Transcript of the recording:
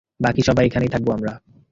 বাকি সবাই এখানেই থাকব আমরা!